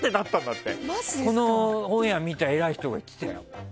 このオンエア見た偉い人が言ってたよ。